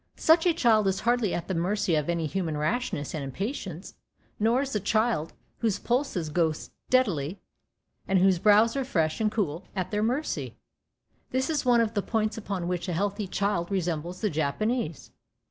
Such a child is hardly at the mercy of any human rashness and impatience; nor is the child whose pulses go steadily, and whose brows are fresh and cool, at their mercy. This is one of the points upon which a healthy child resembles the Japanese.